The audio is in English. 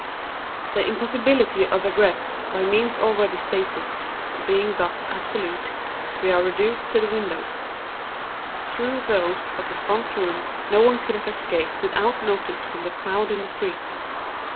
The impossibility of egress, by means already stated, being thus absolute, we are reduced to the windows. Through those of the front room no one could have escaped without notice from the crowd in the street.